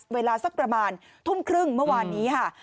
เวลาสักประมาณทุ่มครึ่งเมื่อวานนี้ค่ะ